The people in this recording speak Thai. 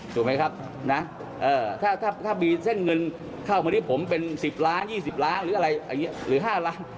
ถูกไหมครับถ้ามีเส้นเงินเข้ามาที่ผมเป็นสิบล้านยี่สิบล้านหรือห้าร้าน